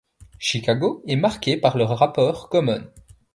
Chicago est marqué par le rappeur Common.